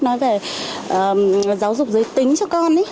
nói về giáo dục giới tính cho con